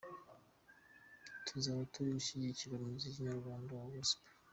Tuzaba turi gushyigikira umuziki nyarwanda wa Gospel.